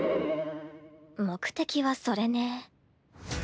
目的はそれね。